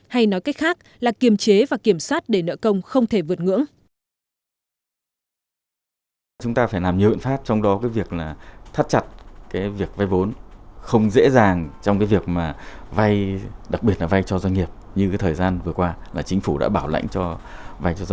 hay nói cách khác là kiềm chế và kiểm soát để nợ công không thể vượt ngưỡng